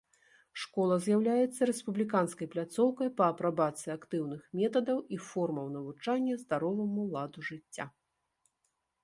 Школа з'яўляецца рэспубліканскай пляцоўкай па апрабацыі актыўных метадаў і формаў навучання здароваму ладу жыцця.